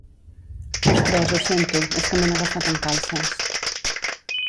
Ostres, ho sento, és que m'han agafat en calces.